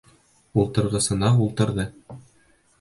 Ултырғысына ултырҙы.